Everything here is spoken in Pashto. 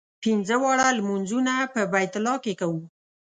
پنځه واړه لمونځونه په بیت الله کې کوو.